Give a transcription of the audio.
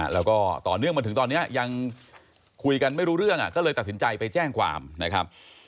แล้วก็ต่อเนื่องมาถึงตอนนี้ยังคุยกันไม่รู้เรื่องก็เลยตัดสินใจไปแจ้งความนะครับ